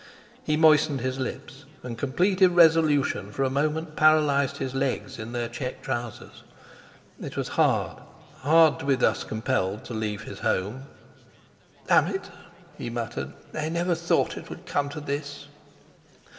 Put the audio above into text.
He moistened his lips; and complete irresolution for a moment paralysed his legs in their check trousers. It was hard—hard to be thus compelled to leave his home! "D— nit!" he muttered, "I never thought it would come to this."